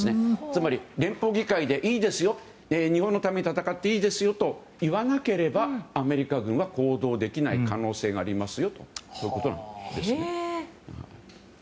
つまり、連邦議会で日本のために戦っていいですよと言わなければアメリカ軍は行動できない可能性がありますよとこういうことなんですね。